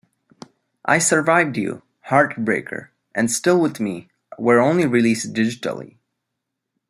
"I Survived You", "Heartbreaker" and "Still with Me" were only released digitally.